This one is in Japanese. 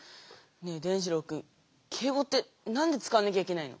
ねぇ伝じろうくん敬語ってなんで使わなきゃいけないの？